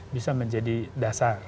bisa menjadi dasar